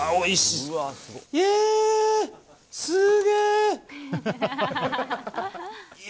すげえな。